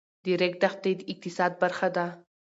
د ریګ دښتې د اقتصاد برخه ده.